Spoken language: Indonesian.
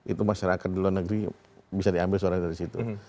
itu masyarakat di luar negeri bisa diambil suaranya dari situ